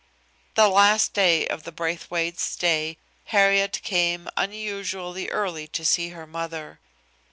The last day of the Braithwaites' stay Harriet came unusually early to see her mother.